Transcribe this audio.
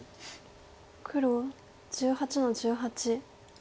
黒１８の十八。